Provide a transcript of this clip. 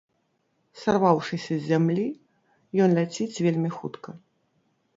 Сарваўшыся з зямлі, ён ляціць вельмі хутка.